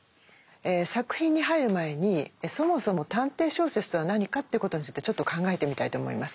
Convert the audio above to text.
作品に入る前にそもそも探偵小説とは何かということについてちょっと考えてみたいと思います。